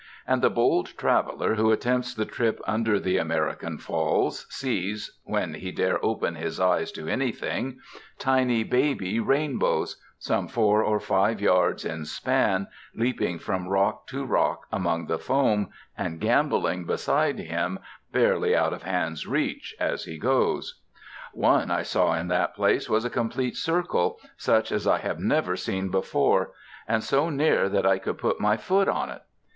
And the bold traveler who attempts the trip under the American Falls sees, when he dare open his eyes to anything, tiny baby rainbows, some four or five yards in span, leaping from rock to rock among the foam, and gamboling beside him, barely out of hand's reach, as he goes. One I saw in that place was a complete circle, such as I have never seen before, and so near that I could put my foot on it.